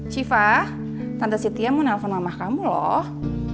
syifa tante sitiah mau nelfon mama kamu loh